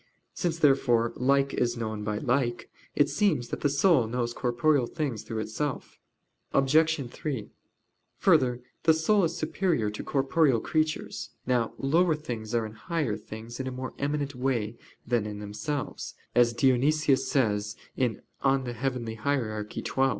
Since, therefore, like is known by like, it seems that the soul knows corporeal things through itself. Obj. 3: Further, the soul is superior to corporeal creatures. Now lower things are in higher things in a more eminent way than in themselves, as Dionysius says (Coel. Hier. xii).